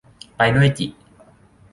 ไปด้วยจิ